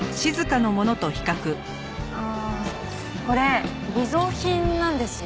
ああこれ偽造品なんですよ。